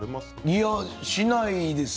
いや、しないです。